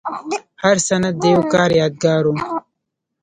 هر سند د یو کار یادګار و.